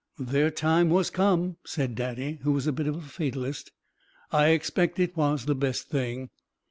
"Their time was come," said Daddy, who was a bit of a Fatalist. "I expect it was the best thing."